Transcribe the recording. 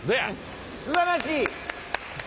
すばらしい！